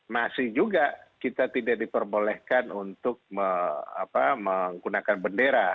masih juga kita tidak diperbolehkan untuk menggunakan bendera